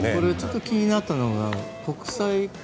気になったのが国際球